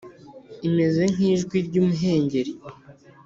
imeze nk’ijwi ry’imuhengeri.